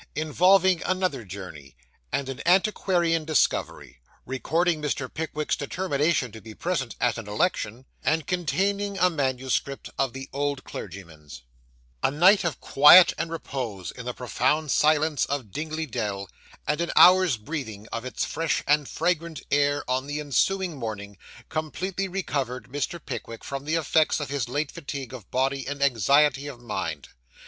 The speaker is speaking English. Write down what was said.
INVOLVING ANOTHER JOURNEY, AND AN ANTIQUARIAN DISCOVERY; RECORDING MR. PICKWICK'S DETERMINATION TO BE PRESENT AT AN ELECTION; AND CONTAINING A MANUSCRIPT OF THE OLD CLERGYMAN'S A night of quiet and repose in the profound silence of Dingley Dell, and an hour's breathing of its fresh and fragrant air on the ensuing morning, completely recovered Mr. Pickwick from the effects of his late fatigue of body and anxiety of mind.